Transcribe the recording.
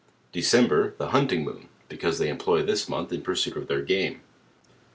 December, the Hunting Moon; because they employ this month in pursuit of their game.